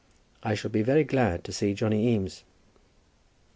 I shall be very glad to see Johnny Eames."